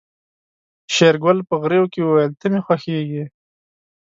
شېرګل په غريو کې وويل ته مې خوښيږې.